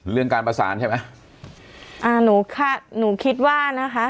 เรื่องการประสานใช่ไหมอ่าหนูค่ะหนูคิดว่านะคะ